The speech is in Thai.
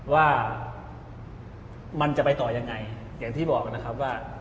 ว่ามันจะไปต่อยังไงอย่างที่บอกนะครับว่า